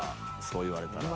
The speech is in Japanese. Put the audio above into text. そう言われたら。